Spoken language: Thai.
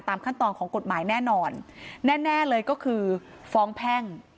ขั้นตอนของกฎหมายแน่นอนแน่แน่เลยก็คือฟ้องแพ่ง